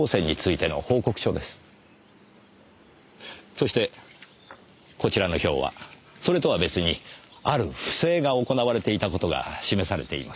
そしてこちらの表はそれとは別にある不正が行われていた事が示されています。